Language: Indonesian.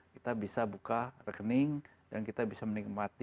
kita bisa buka rekening dan kita bisa menikmati